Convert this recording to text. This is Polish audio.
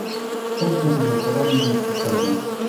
Wstępne finansowanie nie jest potrzebne